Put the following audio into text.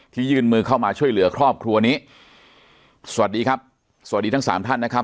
ยื่นมือเข้ามาช่วยเหลือครอบครัวนี้สวัสดีครับสวัสดีทั้งสามท่านนะครับ